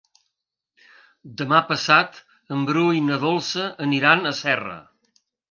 Demà passat en Bru i na Dolça aniran a Serra.